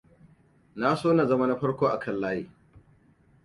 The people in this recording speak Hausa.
Na so na zama na farko akan layi.